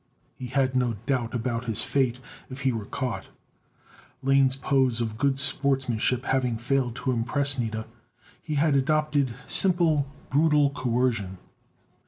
He had no doubt about his fate if he were caught. Lane's pose of good sportsmanship having failed to impress Nida, he had adopted simple, brutal coercion.